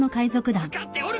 分かっておる。